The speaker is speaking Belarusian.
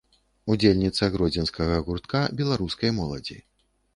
Удзельніца гродзенскага гуртка беларускай моладзі.